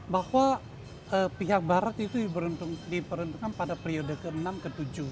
bahwa pihak barat itu diperuntukkan pada periode ke enam ke tujuh